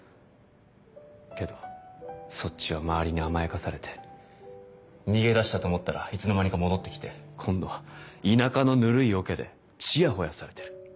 けどそっちは周りに甘やかされて逃げ出したと思ったらいつの間にか戻ってきて今度は田舎のぬるいオケでチヤホヤされてる。